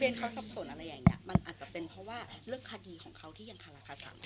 มันอาจจะเป็นเพราะว่าเรื่องคดีของเขาที่ยันทราคาศัพท์